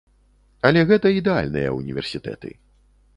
Але гэта ідэальныя ўніверсітэты.